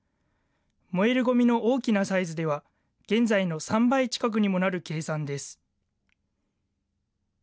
燃えるごみの大きなサイズでは、現在の３倍近くにもなる計算です。